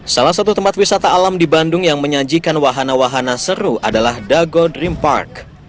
salah satu tempat wisata alam di bandung yang menyajikan wahana wahana seru adalah dago dream park